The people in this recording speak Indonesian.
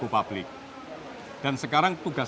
public dan sekarang tugas